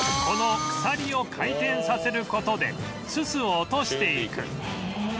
この鎖を回転させる事でススを落としていく